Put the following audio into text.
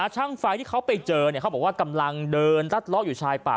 ช่างไฟที่เขาไปเจอเขาบอกว่ากำลังเดินรัดเลาะอยู่ชายป่า